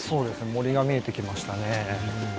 森が見えてきましたね。